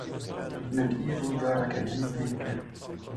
Min îro careke din fêm kir.